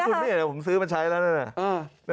คุณไม่เห็นเหรอผมซื้อมาใช้แล้วนั่นแหละ